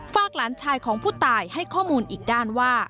หลานชายของผู้ตายให้ข้อมูลอีกด้านว่า